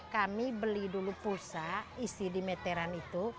kami beli dulu pulsa isi di meteran itu